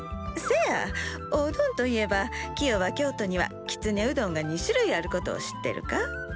せやおうどんといえばキヨは京都にはきつねうどんが２種類あることを知ってるか？